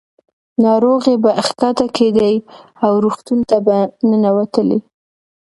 ناروغۍ به ښکته کېدې او روغتون ته به ننوتلې.